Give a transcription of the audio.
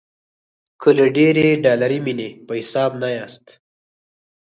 که له ډېرې ډالري مینې په حساب نه یاست.